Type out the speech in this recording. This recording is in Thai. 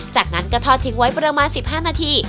จากนั้นก็ทอดทิ้งไว้ประมาณ๑๕นาที